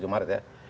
tujuh maret ya kan